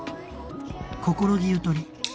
心木ゆとり